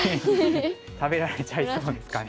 食べられちゃいそうですかね。